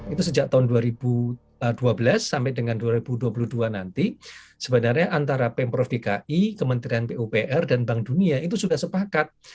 itu sejak tahun dua ribu dua belas sampai dengan dua ribu dua puluh dua nanti sebenarnya antara pemprov dki kementerian pupr dan bank dunia itu sudah sepakat